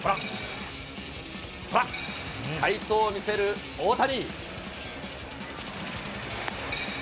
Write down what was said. ほら、快投を見せる大谷。